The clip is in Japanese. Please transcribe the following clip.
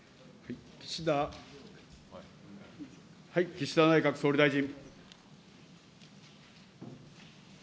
岸田内閣総理大臣。